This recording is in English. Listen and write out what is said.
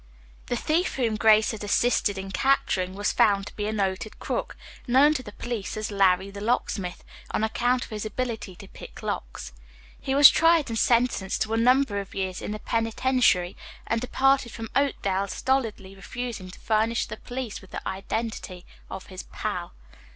The thief whom Grace had assisted in capturing was found to be a noted crook, known to the police as "Larry the Locksmith," on account of his ability to pick locks. He was tried and sentenced to a number of years in the penitentiary, and departed from Oakdale stolidly refusing to furnish the police with the identity of his "pal."